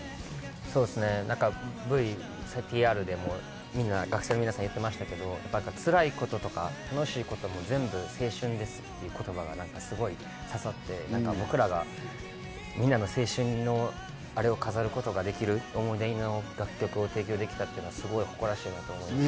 そうっすねＶＴＲでも学生の皆さん言ってましたけど「つらいこととか楽しいことも全部青春です」って言葉が何かすごい刺さって何か僕らがみんなの青春を飾ることができる思い出の楽曲を提供できたっていうのはすごい誇らしいなと思います。